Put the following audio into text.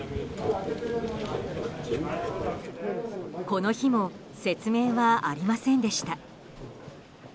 この日も説明はありませんでした。